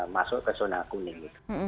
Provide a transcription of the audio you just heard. masuk ke zona kuning